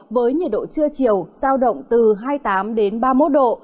với nhiệt độ trưa chiều sao động từ hai mươi tám đến ba mươi một độ